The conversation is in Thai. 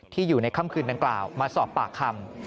อยู่ในค่ำคืนดังกล่าวมาสอบปากคำ